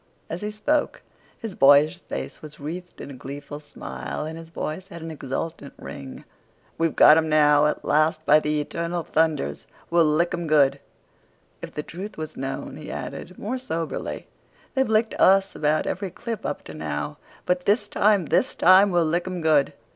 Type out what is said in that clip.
As he spoke his boyish face was wreathed in a gleeful smile, and his voice had an exultant ring. "We've got 'em now. At last, by the eternal thunders, we'll lick 'em good!" "If the truth was known," he added, more soberly, "they've licked us about every clip up to now; but this time—this time—we'll lick 'em good!"